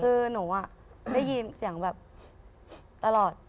คือหนูได้ยินเสียงแบบตลอด